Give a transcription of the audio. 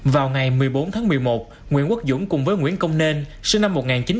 vào ngày một mươi bốn tháng một mươi một nguyễn quốc dũng cùng với nguyễn công nên sinh năm một nghìn chín trăm tám mươi